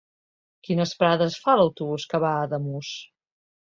Quines parades fa l'autobús que va a Ademús?